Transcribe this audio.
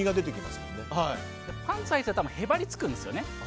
パンツをはいてたらへばりつくんですよね。